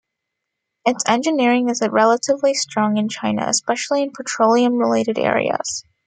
Its engineering is relatively strong in China, especially in petroleum related areas.